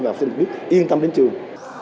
và học sinh được biết yên tâm đến trường